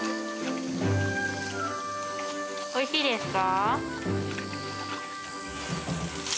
おいしいですか？